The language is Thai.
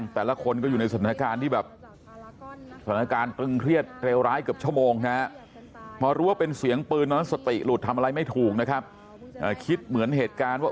พอรู้ว่าเป็นเสียงปืนนั้นสติหลุดทำอะไรไม่ถูกนะครับอ่าคิดเหมือนเหตุการณ์ว่า